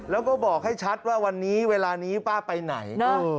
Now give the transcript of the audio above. แล้วก็บอกให้ชัดว่าวันนี้เวลานี้ป้าไปไหน